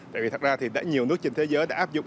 tại vì thật ra thì nhiều nước trên thế giới đã áp dụng